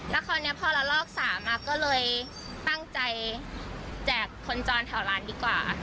แล้วคราวนี้พอละลอก๓ก็เลยตั้งใจแจกคนจรแถวร้านดีกว่า